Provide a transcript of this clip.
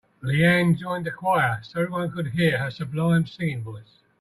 Leanne joined a choir so everyone could hear her sublime singing voice.